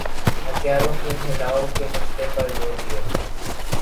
ہتھیاروں کے پھیلاؤ کے مسئلے پر زور دیا